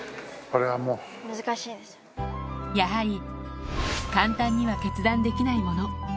やはり、簡単には決断できないもの。